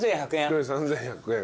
１人３，１００円。